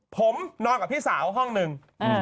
ผมนอนกับพี่สาวห้องหนึ่ง